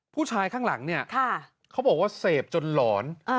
ข้างหลังเนี่ยเขาบอกว่าเสพจนหลอน